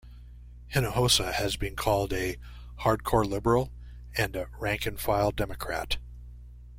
Hinojosa has been called a "hard-core liberal" and a "rank-and-file Democrat".